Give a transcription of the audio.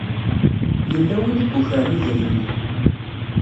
Yella win i yukren idrimen-iw.